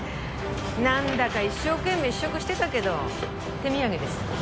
なんだか一生懸命試食してたけど手土産ですか？